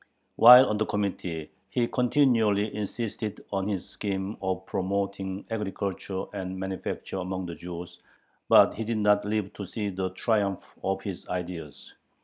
While on the Committee, he continually insisted on his scheme of promoting agriculture and manufactures among the Jews, but he did not live to see the triumph of his ideas.